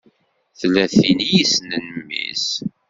Tella tin i yessnen mmi-s?